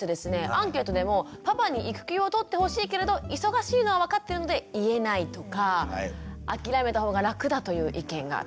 アンケートでもパパに育休を取ってほしいけれど忙しいのは分かってるので言えないとか諦めたほうが楽だという意見が多数届きました。